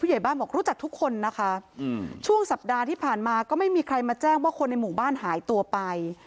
ใหญ่บ้านบอกรู้จักทุกคนนะคะช่วงสัปดาห์ที่ผ่านมาก็ไม่มีใครมาแจ้งว่าคนในหมู่บ้านหายตัวไป